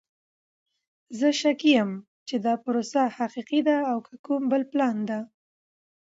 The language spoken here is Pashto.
زه شکي یم چې دا پروسه حقیقی ده او که کوم بل پلان ده!